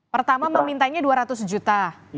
pertama memintanya dua ratus juta